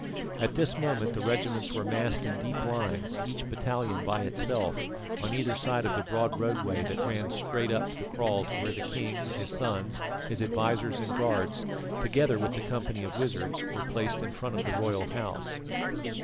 At this moment the regiments were massed in deep lines, each battalion by itself, on either side of the broad roadway that ran straight up the kraal to where the king, his sons, his advisers and guards, together with the company of wizards, were placed in front of the royal house.